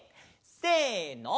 せの！